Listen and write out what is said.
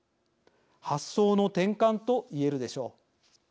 発想の転換と言えるでしょう。